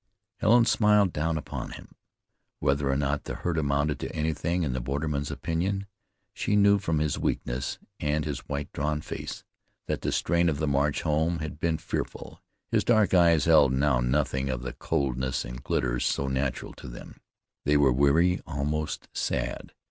Helen smiled down upon him. Whether or not the hurt amounted to anything in the borderman's opinion, she knew from his weakness, and his white, drawn face, that the strain of the march home had been fearful. His dark eyes held now nothing of the coldness and glitter so natural to them. They were weary, almost sad.